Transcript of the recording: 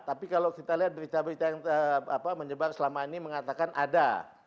tapi kalau kita lihat berita berita yang menyebar selama ini mengatakan ada